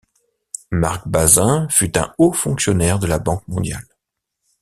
Marc Bazin fut un haut fonctionnaire de la Banque mondiale.